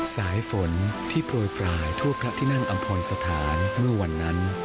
สายฝนที่โปรยปลายทั่วพระที่นั่งอำพรสถานเมื่อวันนั้น